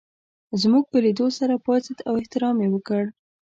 زموږ په لېدو سره پاڅېد احترام یې وکړ.